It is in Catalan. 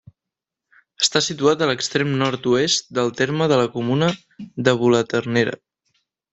Està situat a l'extrem nord-oest del terme de la comuna de Bulaternera.